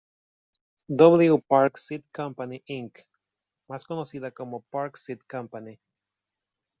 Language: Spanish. W. Park Seed Company, Inc., más conocida como Park Seed Company.